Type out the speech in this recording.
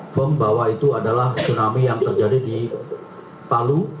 firm bahwa itu adalah tsunami yang terjadi di palu